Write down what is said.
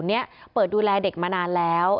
ก็รู้มาว่าศูนย์นี้เปิดดูแลเด็กมานานแล้ว